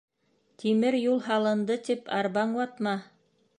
Тимер юл һалынды тип, арбаң ватма.